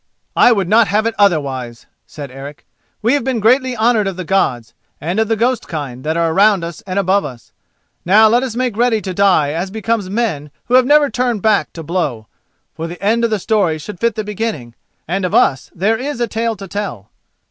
"I would not have it otherwise," said Eric. "We have been greatly honoured of the Gods, and of the ghost kind that are around us and above us. Now let us make ready to die as becomes men who have never turned back to blow, for the end of the story should fit the beginning, and of us there is a tale to tell."